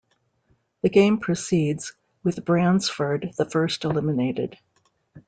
The game proceeds, with Bransford the first eliminated.